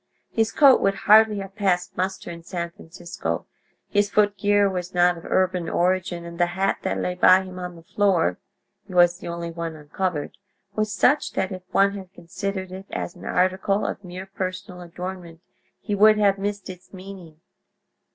His coat would hardly have passed muster in San Francisco: his footgear was not of urban origin, and the hat that lay by him on the floor (he was the only one uncovered) was such that if one had considered it as an article of mere personal adornment he would have missed its meaning.